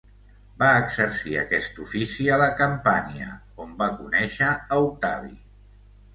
Va exercir aquest ofici a la Campània, on va conèixer a Octavi.